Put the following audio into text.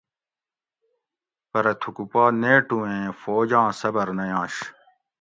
پرہ تھُکو پا نیٹُو ایں فوج آں صبر نہ ینش